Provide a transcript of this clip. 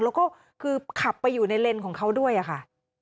แล้วก็คือขับไปอยู่ในเลนส์ของเขาด้วยค่ะ